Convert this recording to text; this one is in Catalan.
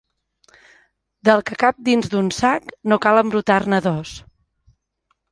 Del que cap dins d'un sac, no cal embrutar-ne dos.